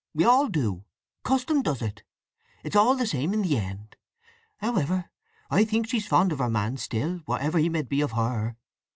We all do! Custom does it! It's all the same in the end! However, I think she's fond of her man still—whatever he med be of her.